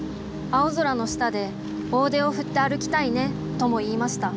青空の下で大手を振って歩きたいね』とも言いました。